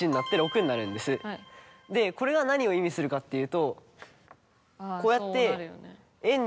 これが何を意味するかっていうとこうやって。